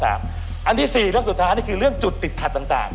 อันที่๔เรื่องสุดท้ายนี่คือเรื่องจุดติดขัดต่าง